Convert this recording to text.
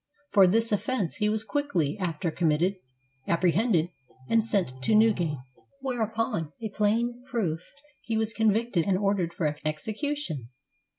For this offence he was quickly after committed, apprehended, and sent to Newgate, where, upon a plain proof of the fact, he was convicted and ordered for execution.